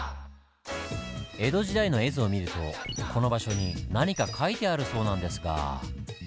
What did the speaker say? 江戸時代の絵図を見るとこの場所に何か書いてあるそうなんですが。